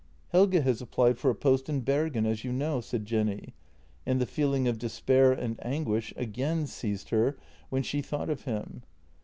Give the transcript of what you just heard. " Helge has applied for a post in Bergen, as you know," said Jenny, and the feeling of despair and anguish again seized her when she thought of him.